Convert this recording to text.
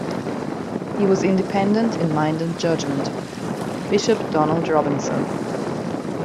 He was independent in mind and judgement. - Bishop Donald Robinson.